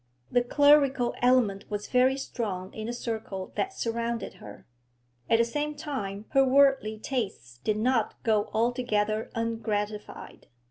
The clerical element was very strong in the circle that surrounded her. At the same time her worldly tastes did not go altogether ungratified.